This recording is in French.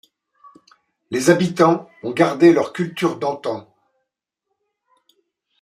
Les habitants ont gardé leur culture d’antan.